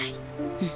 うん。